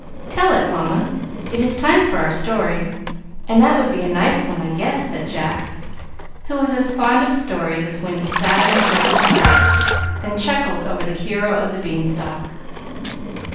"Tell it, Mamma. It is time for our story, and that would be a nice one, I guess," said Jack, who was as fond of stories as when he sat in his mother's lap and chuckled over the hero of the beanstalk.